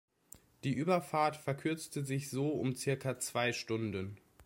Die Überfahrt verkürzte sich so um zirka zwei Stunden.